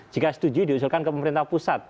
jika setuju diusulkan ke pemerintah pusat